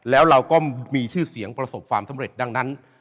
แล้วเราก็มีชื่อเสียงประสบความสำเร็จดังนั้น